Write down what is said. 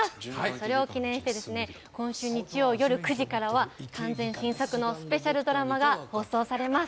それを記念して、今週日曜夜９時からは完全新作のスペシャルドラマが放送されます。